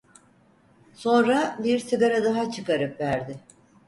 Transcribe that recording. Sonra bir sigara daha çıkarıp verdi…